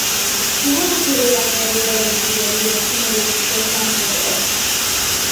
Quina botiga hi ha al carrer de les Guilleries número seixanta-tres?